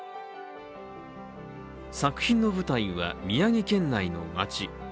作品の舞台は、宮城県内の町。